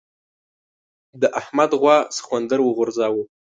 د احمد غوا سخوندر وغورځاوو.